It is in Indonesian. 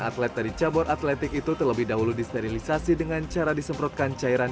atlet dari cabur atletik itu terlebih dahulu disterilisasi dengan cara disemprotkan cairan